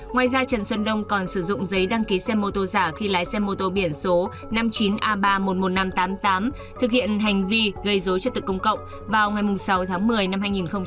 ngoài ra trần xuân đông còn sử dụng giấy đăng ký xe mô tô giả khi lái xe mô tô biển số năm mươi chín a ba trăm một mươi một nghìn năm trăm tám mươi tám thực hiện hành vi gây dối trật tự công cộng vào ngày sáu tháng một mươi năm hai nghìn một mươi chín